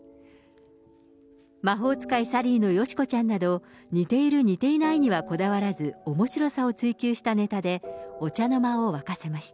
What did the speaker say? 魔法使いサリーのよしこちゃんなど、似ている、似ていないにはこだわらず、おもしろさを追求したねたで、お茶の間を沸かせました。